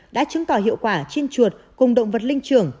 đã chứng tỏ hiệu quả trên chuột cùng động vật linh trưởng